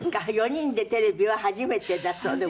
４人でテレビは初めてだそうで。